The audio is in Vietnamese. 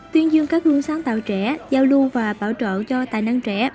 tuyên dương các gương sáng tạo trẻ giao lưu và bảo trợ cho tài năng trẻ